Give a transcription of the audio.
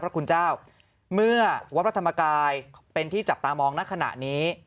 พระคุณเจ้าเมื่อวัดพระธรรมกายเป็นที่จับตามองณขณะนี้